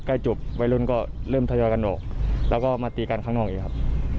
ใกล้จบวัยรุ่นก็เริ่มทยอยกันออกแล้วก็มาตีกันข้างนอกอีกครับ